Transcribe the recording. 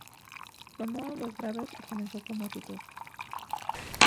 Tomó ambos grados y comenzó como Tutor.